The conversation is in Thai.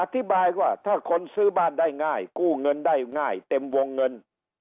อธิบายว่าถ้าคนซื้อบ้านได้ง่ายกู้เงินได้ง่ายเต็มวงเงิน